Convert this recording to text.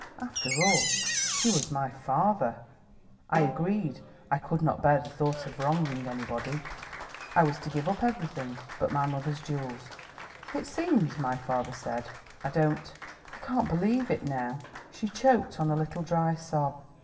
After all, he was my father; I agreed; I could not bear the thought of wronging anybody. I was to give up everything but my mother's jewels. It seems, my father said, I don't I can't believe it now " She choked on a little, dry sob.